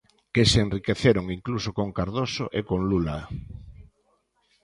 Que se enriqueceron, incluso, con Cardoso e con Lula.